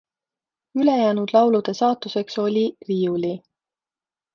Ülejäänud laulude saatuseks oli riiuli.